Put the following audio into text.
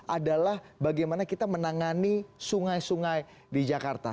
adalah bagaimana kita menangani sungai sungai di jakarta